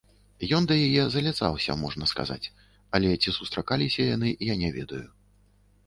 Ён да яе заляцаўся, можна сказаць, але ці сустракаліся яны, я не ведаю.